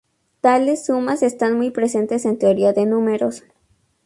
Tales sumas están muy presentes en teoría de números.